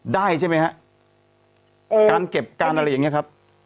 ได้ใช่ไหมฮะการเก็บการอะไรอย่างนี้ครับ